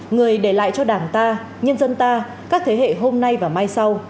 người để lại cho đảng ta nhân dân ta các thế hệ hôm nay và mai sau